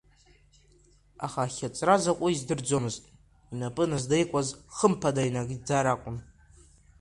Аха ахьаҵра закәу издырӡомызт, инапы назлеикуаз хымԥада инаигӡар акәын.